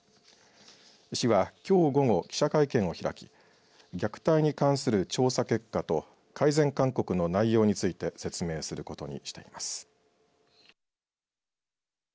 市はきょう午後、記者会見を開き虐待に関する調査結果と改善勧告の内容について説明することにしています。